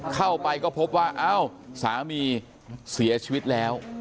เข้าไปก็พบว่าเอ้าสามีเสียชีวิตแล้ว